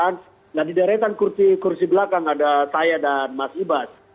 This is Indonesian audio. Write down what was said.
nah di deretan kursi belakang ada saya dan mas ibas